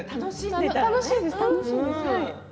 楽しいです。